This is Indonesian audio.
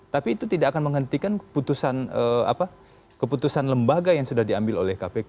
tapi itu tidak akan menghentikan keputusan lembaga yang sudah diambil oleh kpk